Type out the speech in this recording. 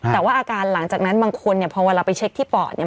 แต่ว่าอาการหลังจากนั้นบางคนเนี่ยพอเวลาไปเช็คที่ปอดเนี่ย